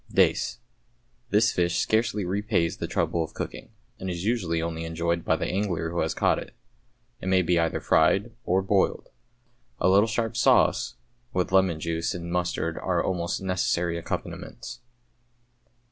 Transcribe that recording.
=Dace.= This fish scarcely repays the trouble of cooking, and is usually only enjoyed by the angler who has caught it. It may be either fried or boiled. A little sharp sauce with lemon juice and mustard are almost necessary accompaniments.